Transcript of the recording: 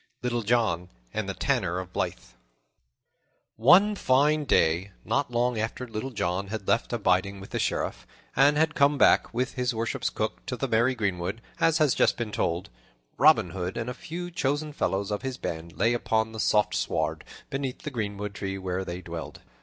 Little John and the Tanner of Blyth ONE FINE DAY, not long after Little John had left abiding with the Sheriff and had come back, with his worship's cook, to the merry greenwood, as has just been told, Robin Hood and a few chosen fellows of his band lay upon the soft sward beneath the greenwood tree where they dwelled.